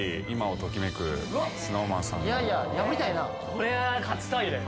これは勝ちたいね